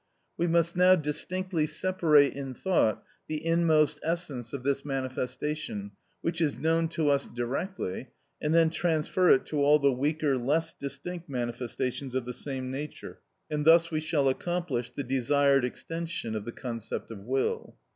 We must now distinctly separate in thought the inmost essence of this manifestation which is known to us directly, and then transfer it to all the weaker, less distinct manifestations of the same nature, and thus we shall accomplish the desired extension of the concept of will.